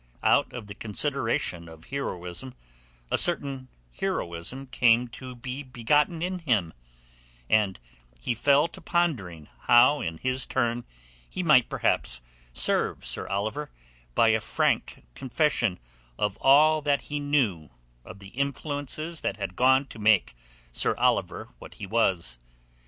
Out of the consideration of heroism, a certain heroism came to be begotten in him, and he fell to pondering how in his turn he might perhaps serve Sir Oliver by a frank confession of all that he knew of the influences that had gone to make Sir Oliver what he was.